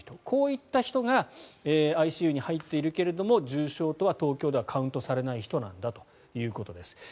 こういった人がＩＣＵに入っているけれど重症とは、東京ではカウントされない人なんだということです。